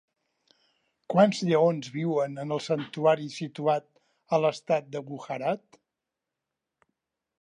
Quants lleons viuen en el santuari situat a l'estat de Gujarat?